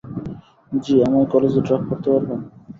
জি, আমায় কলেজে ড্রপ করতে পারবেন?